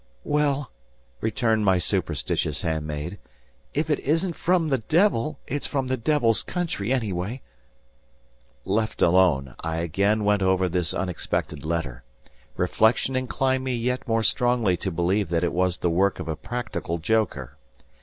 "Well," returned my superstitious handmaid, "if it isn't from the devil, it's from the devil's country, anyway." Left alone, I again went over this unexpected letter. Reflection inclined me yet more strongly to believe that it was the work of a practical joker.